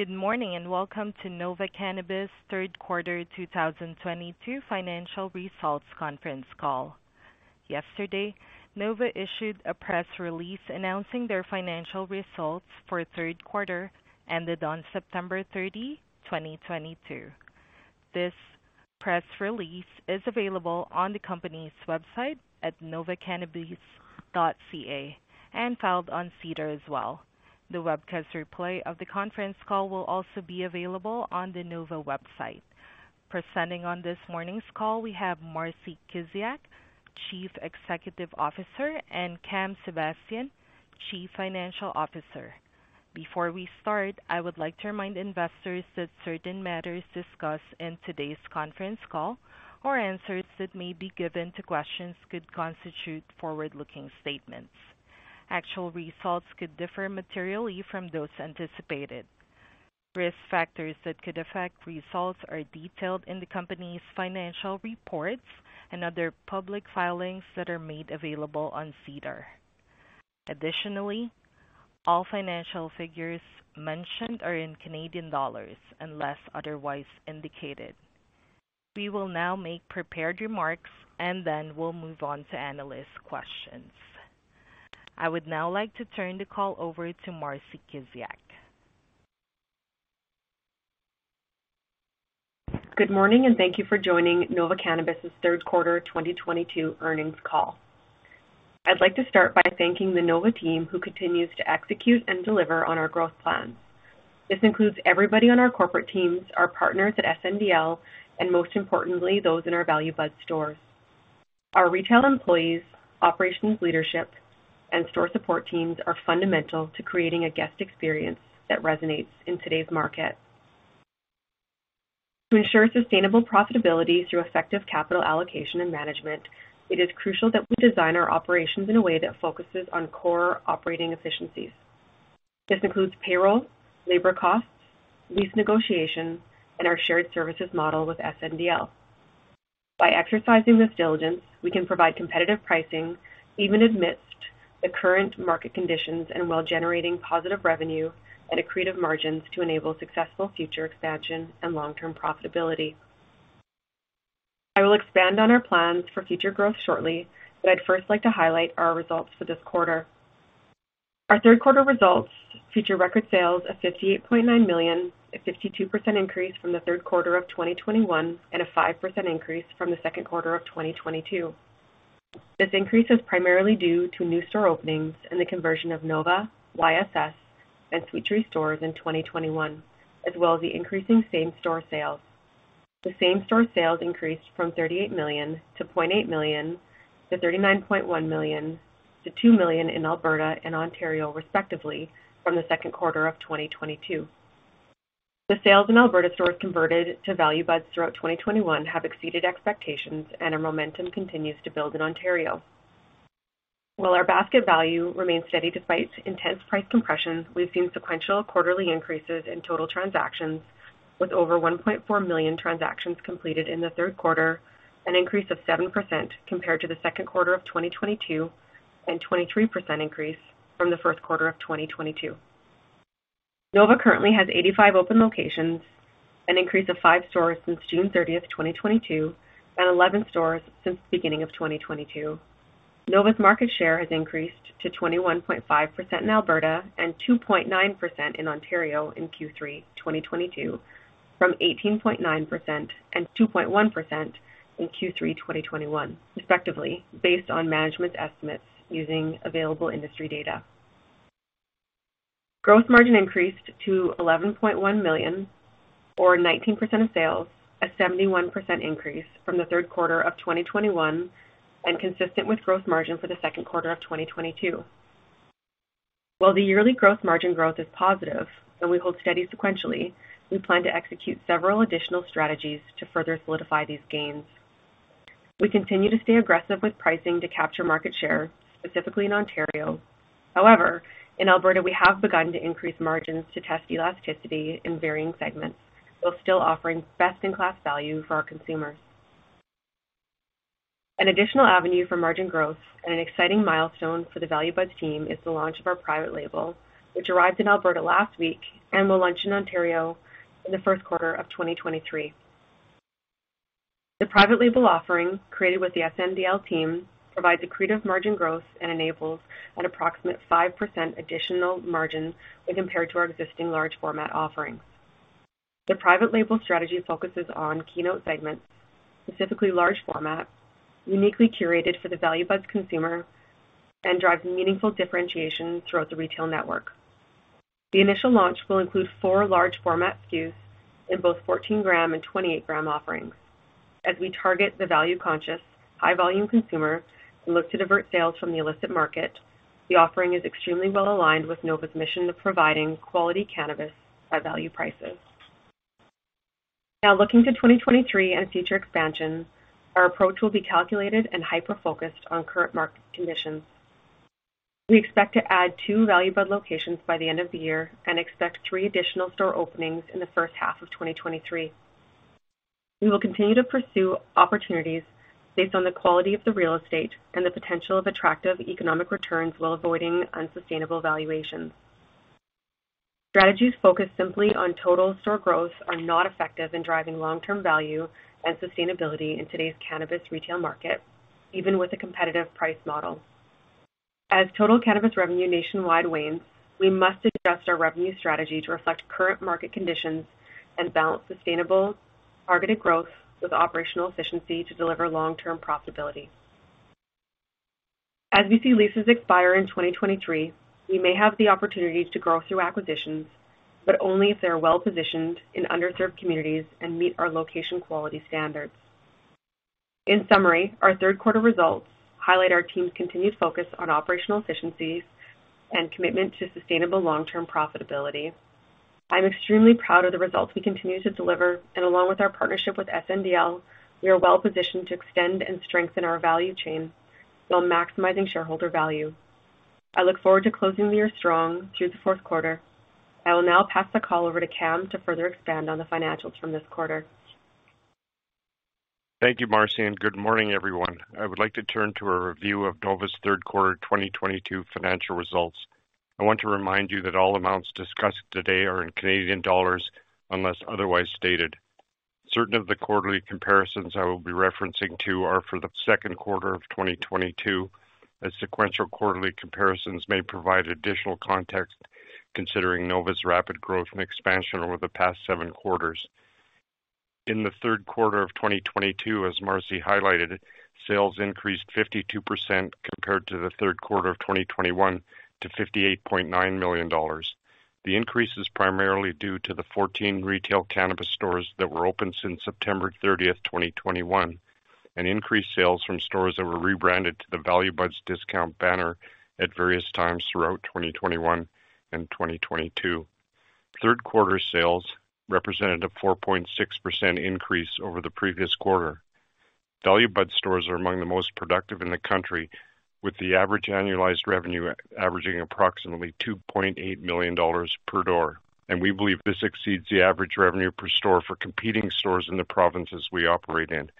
Good morning, welcome to Nova Cannabis third quarter 2022 financial results conference call. Yesterday, Nova issued a press release announcing their financial results for third quarter ended on September 30, 2022. This press release is available on the company's website at novacannabis.ca and filed on SEDAR as well. The webcast replay of the conference call will also be available on the Nova website. Presenting on this morning's call, we have Marcie Kiziak, Chief Executive Officer, and Cam Sebastian, Chief Financial Officer. Before we start, I would like to remind investors that certain matters discussed in today's conference call or answers that may be given to questions could constitute forward-looking statements. Actual results could differ materially from those anticipated. Risk factors that could affect results are detailed in the company's financial reports and other public filings that are made available on SEDAR. Additionally, all financial figures mentioned are in Canadian dollars unless otherwise indicated. We will now make prepared remarks, then we'll move on to analyst questions. I would now like to turn the call over to Marcie Kiziak. Good morning, thank you for joining Nova Cannabis' third quarter 2022 earnings call. I'd like to start by thanking the Nova team who continues to execute and deliver on our growth plans. This includes everybody on our corporate teams, our partners at SNDL, and most importantly, those in our Value Buds stores. Our retail employees, operations leadership, and store support teams are fundamental to creating a guest experience that resonates in today's market. To ensure sustainable profitability through effective capital allocation and management, it is crucial that we design our operations in a way that focuses on core operating efficiencies. This includes payroll, labor costs, lease negotiations, and our shared services model with SNDL. By exercising this diligence, we can provide competitive pricing even amidst the current market conditions and while generating positive revenue and accretive margins to enable successful future expansion and long-term profitability. I will expand on our plans for future growth shortly, I'd first like to highlight our results for this quarter. Our third quarter results feature record sales of 58.9 million, a 52% increase from the third quarter of 2021 and a 5% increase from the second quarter of 2022. This increase is primarily due to new store openings and the conversion of Nova, YSS, and Sweet Tree stores in 2021, as well as the increasing same-store sales. The same-store sales increased from 38 million-0.8 million to 39.1 million-2 million in Alberta and Ontario, respectively, from the second quarter of 2022. The sales in Alberta stores converted to Value Buds throughout 2021 have exceeded expectations, our momentum continues to build in Ontario. While our basket value remains steady despite intense price compressions, we've seen sequential quarterly increases in total transactions with over 1.4 million transactions completed in the third quarter, an increase of 7% compared to the second quarter of 2022, and 23% increase from the first quarter of 2022. Nova currently has 85 open locations, an increase of five stores since June 30th, 2022, and 11 stores since the beginning of 2022. Nova's market share has increased to 21.5% in Alberta and 2.9% in Ontario in Q3 2022 from 18.9% and 2.1% in Q3 2021, respectively, based on management estimates using available industry data. Gross margin increased to 11.1 million or 19% of sales, a 71% increase from the third quarter of 2021 and consistent with Gross margin for the second quarter of 2022. While the yearly Gross margin growth is positive and we hold steady sequentially, we plan to execute several additional strategies to further solidify these gains. We continue to stay aggressive with pricing to capture market share, specifically in Ontario. However, in Alberta, we have begun to increase margins to test elasticity in varying segments, while still offering best-in-class value for our consumers. An additional avenue for margin growth and an exciting milestone for the Value Buds team is the launch of our private label, which arrived in Alberta last week and will launch in Ontario in the first quarter of 2023. The private label offering, created with the SNDL team, provides accretive margin growth and enables an approximate 5% additional margin when compared to our existing large format offerings. The private label strategy focuses on keynote segments, specifically large format, uniquely curated for the Value Buds consumer and drives meaningful differentiation throughout the retail network. The initial launch will include four large format SKUs in both 14-gram and 28-gram offerings. As we target the value-conscious, high-volume consumer and look to divert sales from the illicit market, the offering is extremely well aligned with Nova's mission of providing quality cannabis at value prices. Looking to 2023 and future expansions, our approach will be calculated and hyper-focused on current market conditions. We expect to add two Value Buds locations by the end of the year and expect three additional store openings in the first half of 2023. We will continue to pursue opportunities based on the quality of the real estate and the potential of attractive economic returns while avoiding unsustainable valuations. Strategies focused simply on total store growth are not effective in driving long-term value and sustainability in today's cannabis retail market, even with a competitive price model. As total cannabis revenue nationwide wanes, we must adjust our revenue strategy to reflect current market conditions and balance sustainable, targeted growth with operational efficiency to deliver long-term profitability. As we see leases expire in 2023, we may have the opportunity to grow through acquisitions, but only if they are well-positioned in underserved communities and meet our location quality standards. In summary, our third quarter results highlight our team's continued focus on operational efficiencies and commitment to sustainable long-term profitability. I'm extremely proud of the results we continue to deliver, and along with our partnership with SNDL, we are well-positioned to extend and strengthen our value chain while maximizing shareholder value. I look forward to closing the year strong through the fourth quarter. I will now pass the call over to Cam to further expand on the financials from this quarter. Thank you, Marcie, and good morning, everyone. I would like to turn to a review of Nova's third quarter 2022 financial results. I want to remind you that all amounts discussed today are in Canadian dollars unless otherwise stated. Certain of the quarterly comparisons I will be referencing to are for the second quarter of 2022, as sequential quarterly comparisons may provide additional context considering Nova's rapid growth and expansion over the past seven quarters. In the third quarter of 2022, as Marcie highlighted, sales increased 52% compared to the third quarter of 2021 to 58.9 million dollars. The increase is primarily due to the 14 retail cannabis stores that were open since September 30th, 2021, and increased sales from stores that were rebranded to the Value Buds discount banner at various times throughout 2021 and 2022. Third quarter sales represented a 4.6% increase over the previous quarter. Value Buds stores are among the most productive in the country, with the average annualized revenue averaging approximately 2.8 million dollars per door. We believe this exceeds the average revenue per store for competing stores in the provinces we operate in,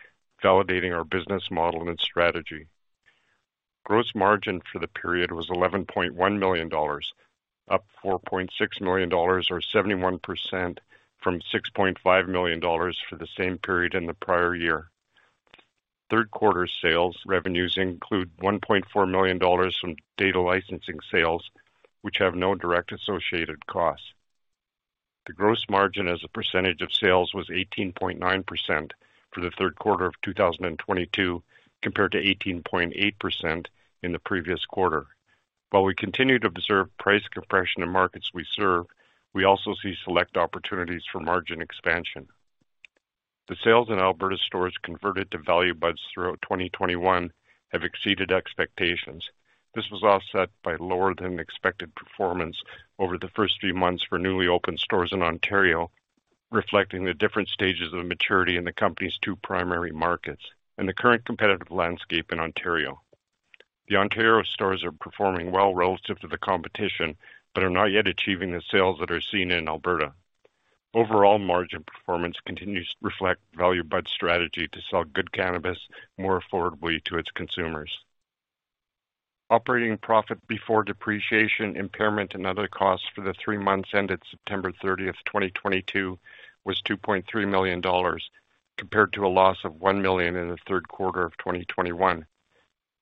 validating our business model and its strategy. Gross margin for the period was 11.1 million dollars, up 4.6 million dollars or 71% from 6.5 million dollars for the same period in the prior year. Third quarter sales revenues include 1.4 million dollars from data licensing sales, which have no direct associated cost. The gross margin as a percentage of sales was 18.9% for the third quarter of 2022, compared to 18.8% in the previous quarter. While we continue to observe price compression in markets we serve, we also see select opportunities for margin expansion. The sales in Alberta stores converted to Value Buds throughout 2021 have exceeded expectations. This was offset by lower than expected performance over the first few months for newly opened stores in Ontario, reflecting the different stages of maturity in the company's two primary markets and the current competitive landscape in Ontario. The Ontario stores are performing well relative to the competition, but are not yet achieving the sales that are seen in Alberta. Overall margin performance continues to reflect Value Buds' strategy to sell good cannabis more affordably to its consumers. Operating profit before depreciation, impairment, and other costs for the three months ended September 30th, 2022 was 2.3 million dollars, compared to a loss of 1 million in the third quarter of 2021.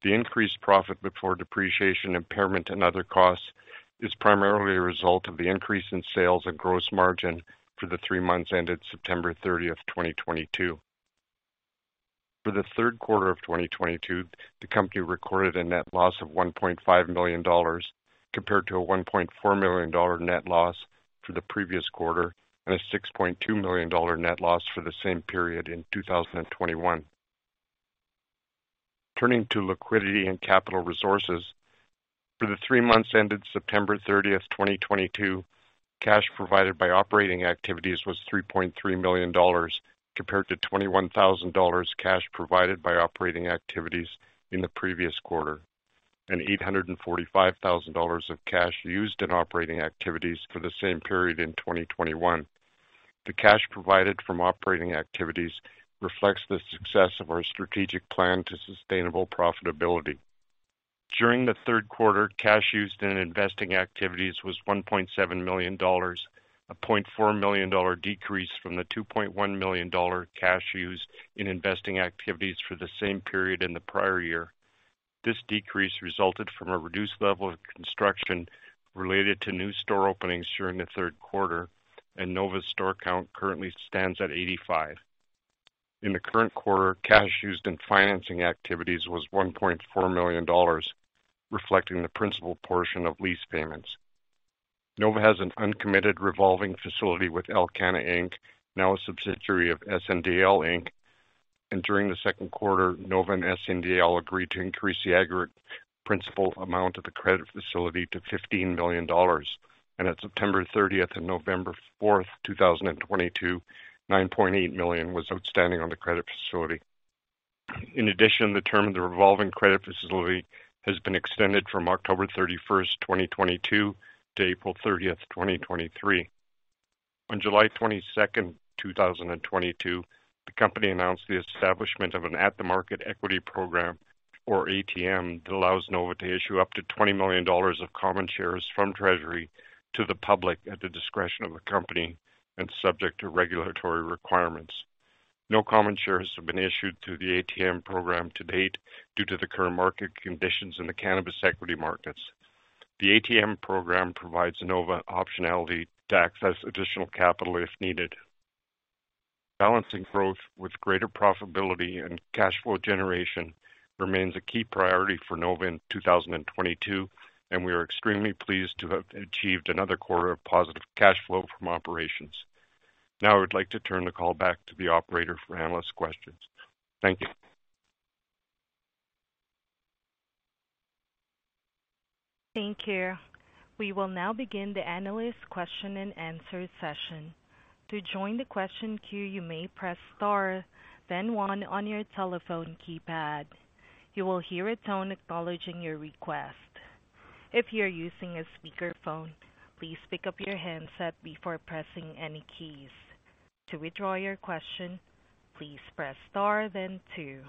The increased profit before depreciation, impairment, and other costs is primarily a result of the increase in sales and gross margin for the three months ended September 30th, 2022. For the third quarter of 2022, the company recorded a net loss of 1.5 million dollars, compared to a 1.4 million dollar net loss for the previous quarter and a 6.2 million dollar net loss for the same period in 2021. Turning to liquidity and capital resources, for the three months ended September 30th, 2022, cash provided by operating activities was 3.3 million dollars, compared to 21,000 dollars cash provided by operating activities in the previous quarter, and 845,000 dollars of cash used in operating activities for the same period in 2021. The cash provided from operating activities reflects the success of our strategic plan to sustainable profitability. During the third quarter, cash used in investing activities was 1.7 million dollars, a 0.4 million dollar decrease from the 2.1 million dollar cash used in investing activities for the same period in the prior year. This decrease resulted from a reduced level of construction related to new store openings during the third quarter, Nova's store count currently stands at 85. In the current quarter, cash used in financing activities was 1.4 million dollars, reflecting the principal portion of lease payments. Nova has an uncommitted revolving facility with Alcanna Inc., now a subsidiary of SNDL Inc. During the second quarter, Nova and SNDL agreed to increase the aggregate principal amount of the credit facility to 15 million dollars. At September 30th and November 4th, 2022, 9.8 million was outstanding on the credit facility. In addition, the term of the revolving credit facility has been extended from October 31st, 2022 to April 30th, 2023. On July 22nd, 2022, the company announced the establishment of an at-the-market equity program, or ATM, that allows Nova to issue up to 20 million dollars of common shares from treasury to the public at the discretion of the company and subject to regulatory requirements. No common shares have been issued through the ATM program to date, due to the current market conditions in the cannabis equity markets. The ATM program provides Nova optionality to access additional capital if needed. Balancing growth with greater profitability and cash flow generation remains a key priority for Nova in 2022. We are extremely pleased to have achieved another quarter of positive cash flow from operations. I would like to turn the call back to the operator for analyst questions. Thank you. Thank you. We will now begin the analyst question and answer session. To join the question queue, you may press star, then one on your telephone keypad. You will hear a tone acknowledging your request. If you're using a speakerphone, please pick up your handset before pressing any keys. To withdraw your question, please press star then two.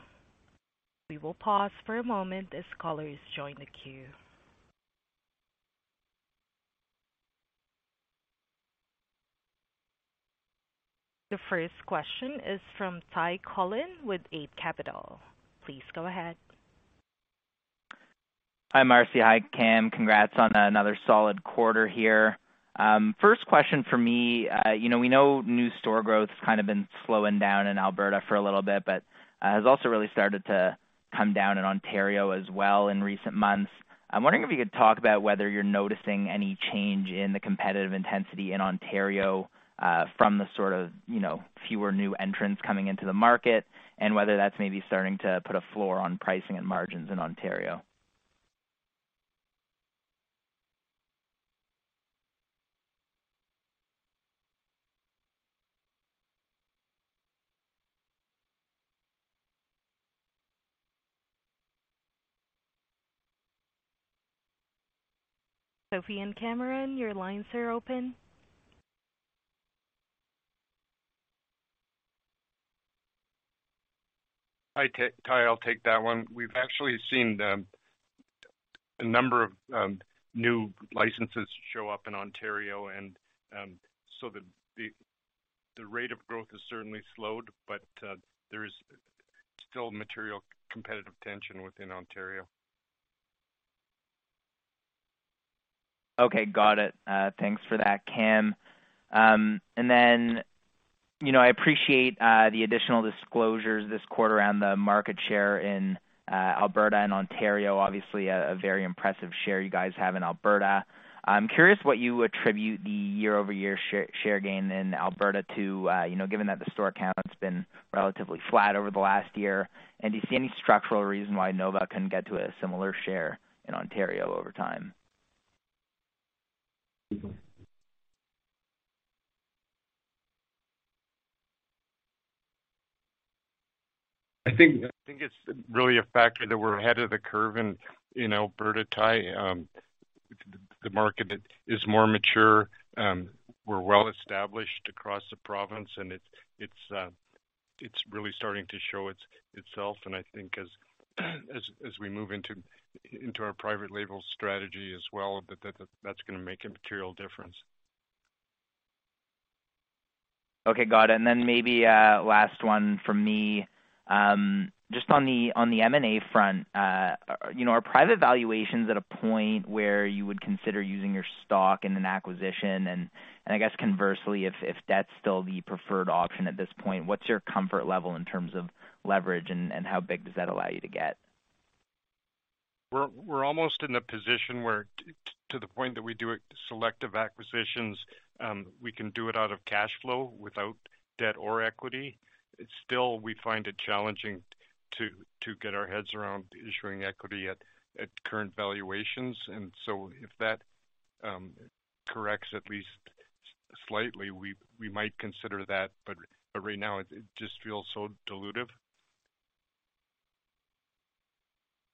We will pause for a moment as callers join the queue. The first question is from Ty Collin with Eight Capital. Please go ahead. Hi, Marcie. Hi, Cam. Congrats on another solid quarter here. First question from me. We know new store growth has kind of been slowing down in Alberta for a little bit, but has also really started to come down in Ontario as well in recent months. I'm wondering if you could talk about whether you're noticing any change in the competitive intensity in Ontario, from the sort of fewer new entrants coming into the market, and whether that's maybe starting to put a floor on pricing and margins in Ontario. Sophie and Cameron, your lines are open. Hi, Ty. I'll take that one. We've actually seen a number of new licenses show up in Ontario, and so the rate of growth has certainly slowed, but there is still material competitive tension within Ontario. Okay. Got it. Thanks for that, Cam. I appreciate the additional disclosures this quarter around the market share in Alberta and Ontario. Obviously a very impressive share you guys have in Alberta. I'm curious what you attribute the year-over-year share gain in Alberta to, given that the store count's been relatively flat over the last year. Do you see any structural reason why Nova can get to a similar share in Ontario over time? I think it's really a factor that we're ahead of the curve in Alberta, Ty. The market is more mature. We're well-established across the province, and it's really starting to show itself, and I think as we move into our private label strategy as well, that's going to make a material difference. Okay, got it. Then maybe a last one from me. Just on the M&A front, are private valuations at a point where you would consider using your stock in an acquisition? I guess conversely, if that's still the preferred option at this point, what's your comfort level in terms of leverage and how big does that allow you to get? We're almost in the position where to the point that we do selective acquisitions, we can do it out of cash flow without debt or equity. Still, we find it challenging to get our heads around issuing equity at current valuations. So if that corrects at least slightly, we might consider that, but right now it just feels so dilutive.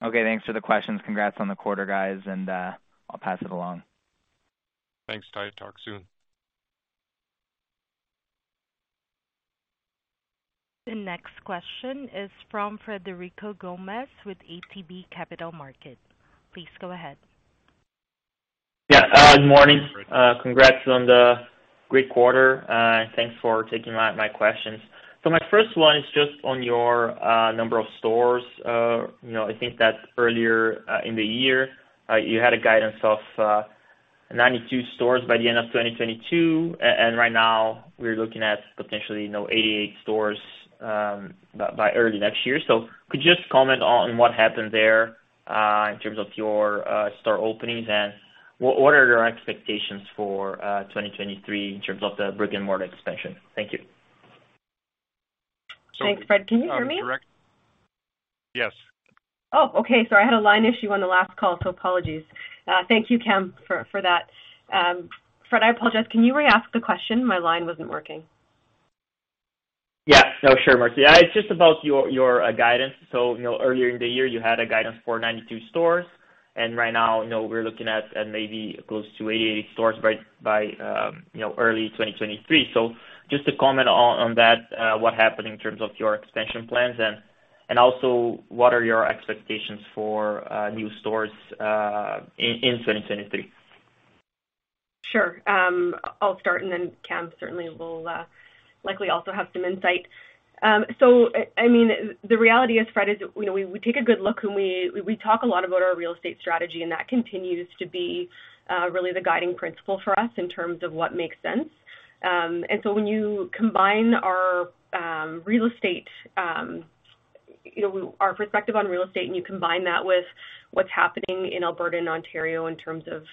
Okay. Thanks for the questions. Congrats on the quarter, guys, and I'll pass it along. Thanks, Ty. Talk soon. The next question is from Frederico Gomes with ATB Capital Markets. Please go ahead. Yeah. Good morning. Congrats on the great quarter. Thanks for taking my questions. My first one is just on your number of stores. I think that earlier in the year, you had a guidance of 92 stores by the end of 2022. And right now we're looking at potentially 88 stores by early next year. Could you just comment on what happened there, in terms of your store openings, and what are your expectations for 2023 in terms of the brick-and-mortar expansion? Thank you. Thanks, Fred. Can you hear me? Yes. Oh, okay. Sorry, I had a line issue on the last call, so apologies. Thank you, Cam, for that. Fred, I apologize. Can you re-ask the question? My line wasn't working. Yeah. No, sure, Marcie. It's just about your guidance. Earlier in the year, you had a guidance for 92 stores, and right now, we're looking at maybe close to 88 stores by early 2023. Just to comment on that, what happened in terms of your expansion plans, and also what are your expectations for new stores in 2023? Sure. I'll start and then Cam certainly will likely also have some insight. The reality is, Fred, is we take a good look, and we talk a lot about our real estate strategy, and that continues to be really the guiding principle for us in terms of what makes sense. When you combine our perspective on real estate and you combine that with what's happening in Alberta and Ontario in terms of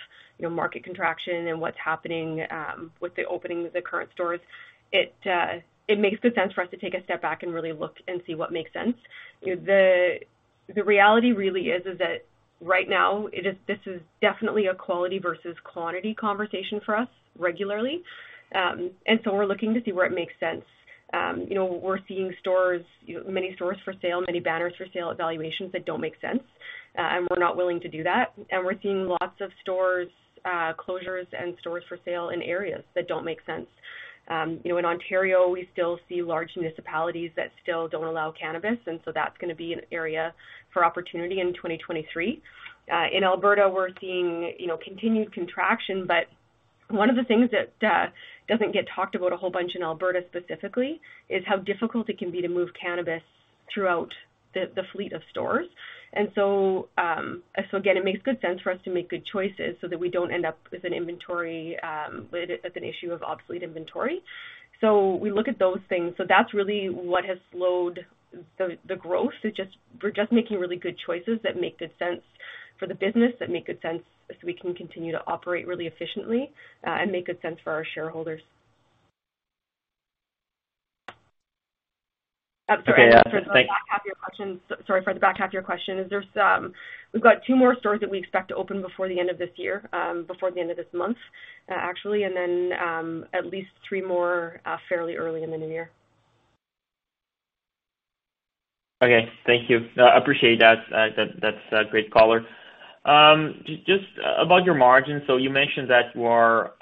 market contraction and what's happening with the opening of the current stores, it makes good sense for us to take a step back and really look and see what makes sense. The reality really is that right now, this is definitely a quality versus quantity conversation for us regularly. We're looking to see where it makes sense. We're seeing many stores for sale, many banners for sale at valuations that don't make sense. We're not willing to do that. We're seeing lots of stores closures and stores for sale in areas that don't make sense. In Ontario, we still see large municipalities that still don't allow cannabis, and so that's going to be an area for opportunity in 2023. In Alberta, we're seeing continued contraction, but one of the things that doesn't get talked about a whole bunch in Alberta specifically is how difficult it can be to move cannabis throughout the fleet of stores. Again, it makes good sense for us to make good choices so that we don't end up with an issue of obsolete inventory. We look at those things. That's really what has slowed the growth. We're just making really good choices that make good sense for the business, that make good sense so we can continue to operate really efficiently and make good sense for our shareholders. Okay, thanks. Sorry, Fred, the back half of your question is we've got two more stores that we expect to open before the end of this year, before the end of this month, actually, and then, at least three more fairly early in the new year. Okay, thank you. I appreciate that. That's a great color. Just about your margin, so you mentioned that you are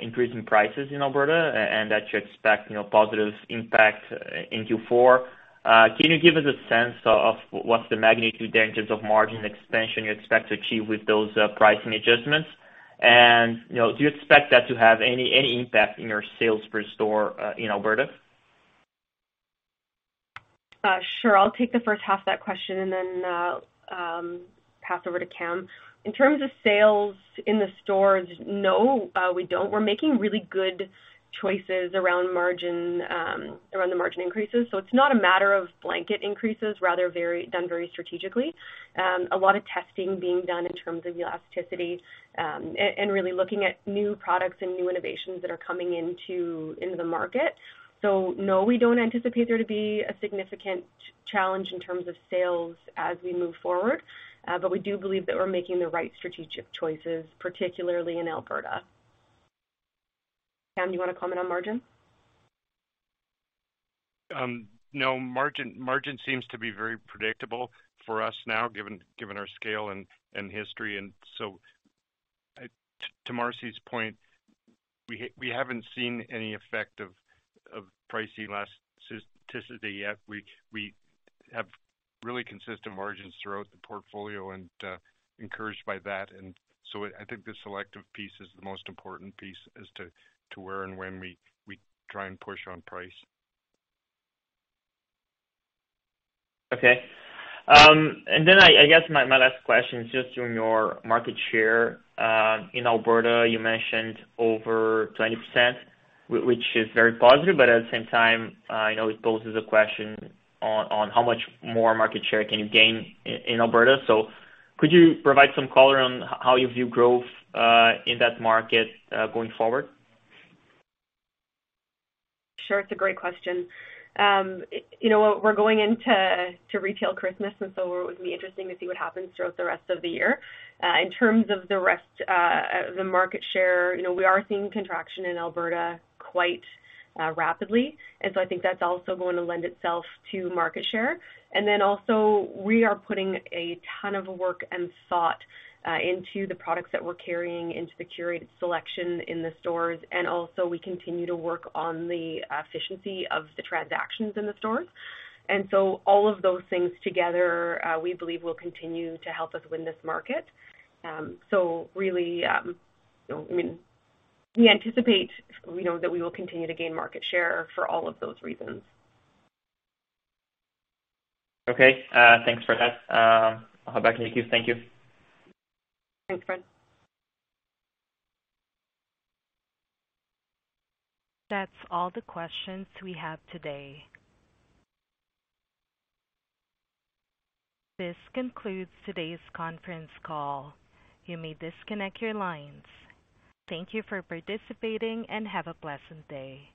increasing prices in Alberta and that you expect positive impact in Q4. Can you give us a sense of what's the magnitude in terms of margin expansion you expect to achieve with those pricing adjustments? Do you expect that to have any impact in your sales per store in Alberta? Sure. I'll take the first half of that question and then pass over to Cam. In terms of sales in the stores, no, we don't. We're making really good choices around the margin increases. It's not a matter of blanket increases, rather done very strategically. A lot of testing being done in terms of elasticity, and really looking at new products and new innovations that are coming into the market. No, we don't anticipate there to be a significant challenge in terms of sales as we move forward. We do believe that we're making the right strategic choices, particularly in Alberta. Cam, you want to comment on margin? No, margin seems to be very predictable for us now, given our scale and history. To Marcie's point, we haven't seen any effect of pricing elasticity yet. We have really consistent margins throughout the portfolio and encouraged by that. I think the selective piece is the most important piece as to where and when we try and push on price. Okay. I guess my last question is just on your market share. In Alberta, you mentioned over 20%, which is very positive, but at the same time, it poses a question on how much more market share can you gain in Alberta. Could you provide some color on how you view growth in that market going forward? Sure. It's a great question. We're going into retail Christmas, it would be interesting to see what happens throughout the rest of the year. In terms of the market share, we are seeing contraction in Alberta quite rapidly, I think that's also going to lend itself to market share. Also, we are putting a ton of work and thought into the products that we're carrying into the curated selection in the stores. Also, we continue to work on the efficiency of the transactions in the stores. All of those things together, we believe will continue to help us win this market. Really, we anticipate that we will continue to gain market share for all of those reasons. Okay, thanks for that. I'll hop back to the queue. Thank you. Thanks, Fred. That's all the questions we have today. This concludes today's conference call. You may disconnect your lines. Thank you for participating, and have a pleasant day.